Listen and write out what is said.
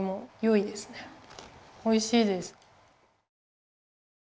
おいしいです。